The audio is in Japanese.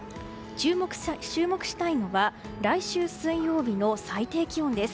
注目したいのは来週水曜日の最低気温です。